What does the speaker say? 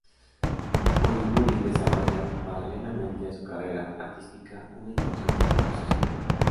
Uriburu desarrolla, paralelamente a su carrera artística, una importante labor social.